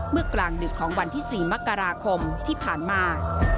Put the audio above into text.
เมื่อกลางหนึ่งของวันที่๔มกราคมที่ผ่านมา